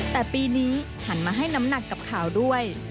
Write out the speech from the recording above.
แต่ปีนี้หันมาให้น้ำหนักกับข่าวด้วย